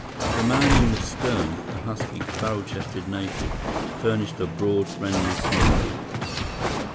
The man in the stern, a husky, barrel chested native, furnished a broad, friendly smile.